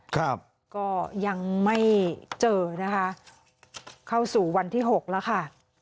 ครับก็ยังไม่เจอนะคะเข้าสู่วันที่หกแล้วค่ะ